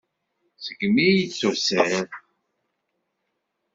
Segmi i d-tusiḍ.